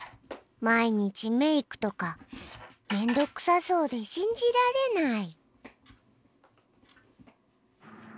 毎日メークとか面倒くさそうで信じられない！